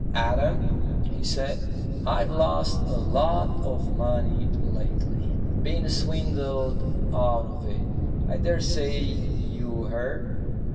"Adam," he said, "I've lost a lot of money lately. Been swindled out of it. I daresay you heard?"